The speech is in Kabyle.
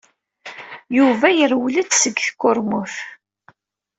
Yuba yerwel-d seg tkurmut.